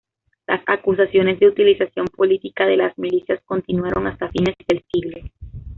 Las acusaciones de utilización política de las milicias continuaron hasta fines del siglo.